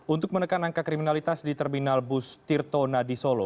untuk menekan angka kriminalitas di terminal bus tirto nadi solo